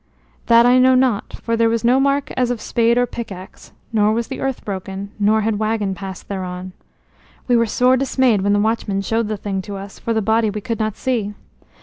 "That I know not, for there was no mark as of spade or pick axe; nor was the earth broken, nor had wagon passed thereon. We were sore dismayed when the watchman showed the thing to us; for the body we could not see.